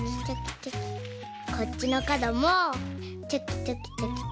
こっちのかどもちょきちょきちょきちょき。